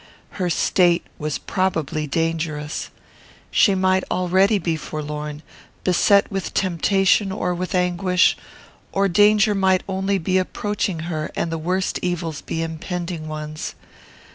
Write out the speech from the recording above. Her state was probably dangerous. She might already be forlorn, beset with temptation or with anguish; or danger might only be approaching her, and the worst evils be impending ones.